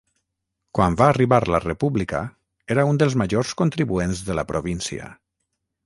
Quan va arribar la República era uns dels majors contribuents de la província.